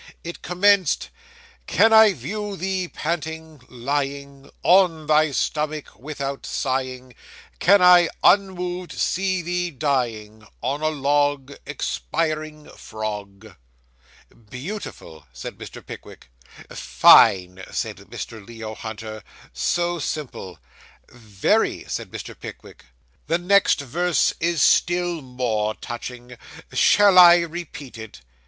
It commenced '"Can I view thee panting, lying On thy stomach, without sighing; Can I unmoved see thee dying On a log Expiring frog!"' 'Beautiful!' said Mr. Pickwick. 'Fine,' said Mr. Leo Hunter; 'so simple.' 'Very,' said Mr. Pickwick. 'The next verse is still more touching. Shall I repeat it?